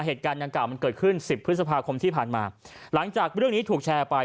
เหตุการณ์ดังกล่ามันเกิดขึ้นสิบพฤษภาคมที่ผ่านมาหลังจากเรื่องนี้ถูกแชร์ไป